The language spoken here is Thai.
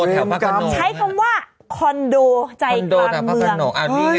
ใช้คำว่าคอนโดใจกลางเมือง